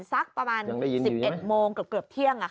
สักประมาณ๑๑โมง